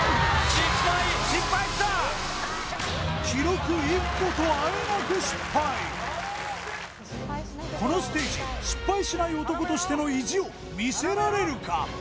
失敗記録１個とあえなく失敗このステージ失敗しない男としての意地を見せられるか？